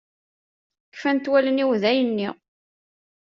Kfan-t wallen-iw dayen-nni.